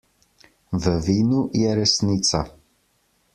V vinu je resnica.